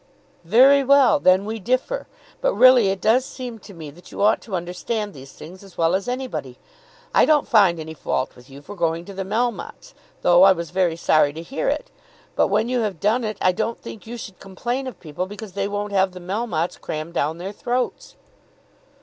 "Very well. Then we differ. But really it does seem to me that you ought to understand these things as well as anybody. I don't find any fault with you for going to the Melmottes, though I was very sorry to hear it; but when you have done it, I don't think you should complain of people because they won't have the Melmottes crammed down their throats."